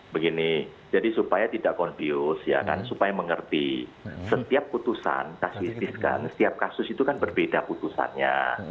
begini jadi supaya tidak konfius ya kan supaya mengerti setiap putusan kasus itu kan berbeda putusannya